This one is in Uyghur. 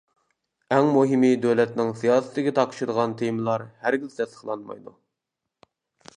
ئەڭ مۇھىمى دۆلەتنىڭ سىياسىتىگە تاقىشىدىغان تېمىلار ھەرگىز تەستىقلانمايدۇ.